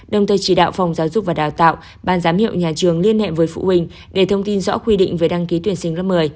đồng thời chỉ đạo phòng giáo dục và đào tạo ban giám hiệu nhà trường liên hệ với phụ huynh để thông tin rõ quy định về đăng ký tuyển sinh lớp một mươi